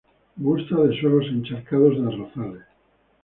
Gusta de suelos encharcados de arrozales.